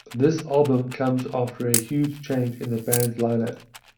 This album comes after a huge change in the band's lineup.